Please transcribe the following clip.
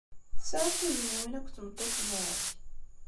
Tesɛiḍ tugniwin akked tmeṭṭut-nnek?